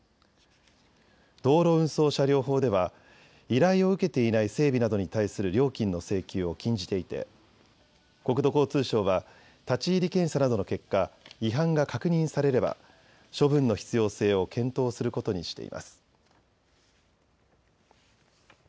道路運送車両法では依頼を受けていない整備などに対する料金の請求を禁じていて国土交通省は立ち入り検査などの結果、違反が確認されれば処分の必要性を検討することにしています。